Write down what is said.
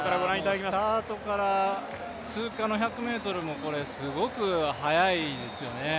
スタートから通過１００ｍもすごく速いですよね。